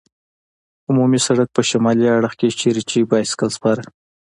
عمومي سړک په شمالي اړخ کې، چېرې چې بایسکل سپاره.